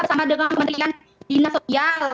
sama dengan pemerintahan dinas sosial